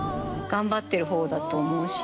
頑張ってるほうだと思うし。